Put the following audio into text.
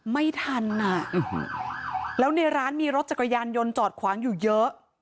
ไม่ทันอ่ะแล้วในร้านมีรถจักรยานยนต์จอดขวางอยู่เยอะ